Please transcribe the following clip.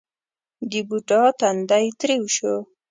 د بوډا تندی ترېو شو: